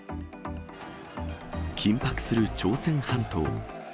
緊迫する朝鮮半島。